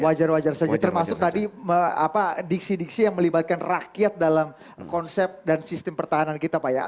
wajar wajar saja termasuk tadi diksi diksi yang melibatkan rakyat dalam konsep dan sistem pertahanan kita pak ya